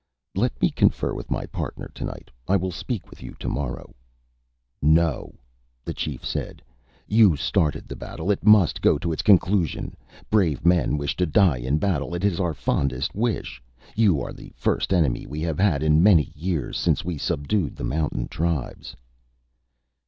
"Let me confer with my partner tonight. I will speak with you tomorrow." "No," the chief said. "You started the battle. It must go to its conclusion. Brave men wish to die in battle. It is our fondest wish. You are the first enemy we have had in many years, since we subdued the mountain tribes."